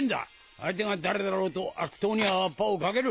相手が誰だろうと悪党にはワッパを掛ける。